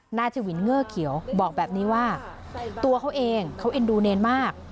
นายชวินเงื่อเขียวบอกแบบนี้ว่าตัวเขาเองเขาเอ็นดูเนรมาก